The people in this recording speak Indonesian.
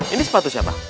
ini sepatu siapa